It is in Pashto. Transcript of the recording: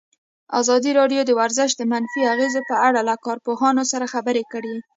ازادي راډیو د ورزش د منفي اغېزو په اړه له کارپوهانو سره خبرې کړي.